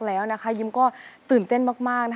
แล้วนะคะยิ้มก็ตื่นเต้นมากนะคะ